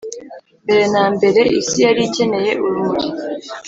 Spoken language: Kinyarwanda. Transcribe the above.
mbere na mbere, isi yari ikeneye urumuri.